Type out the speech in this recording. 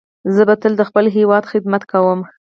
زه به تل د خپل هیواد خدمت کوم.